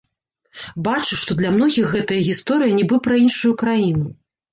Бачу, што для многіх гэтая гісторыя нібы пра іншую краіну.